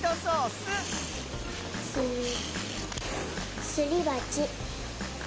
スすりばち。